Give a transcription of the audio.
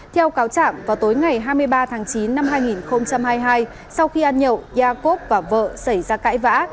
ba tháng chín năm hai nghìn hai mươi hai sau khi ăn nhậu iacob và vợ xảy ra cãi vã